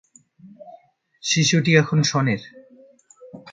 শিশুটি এখন শনের।